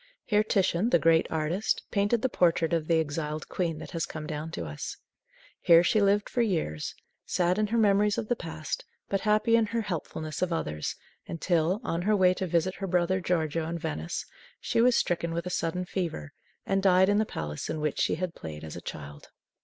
Here Titian, the great artist, painted the portrait of the exiled queen that has come down to us. Here she lived for years, sad in her memories of the past, but happy in her helpfulness of others until, on her way to visit her brother Giorgio in Venice, she was stricken with a sudden fever, and died in the palace in which she had played as a child.